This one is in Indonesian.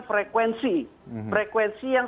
frekuensi frekuensi yang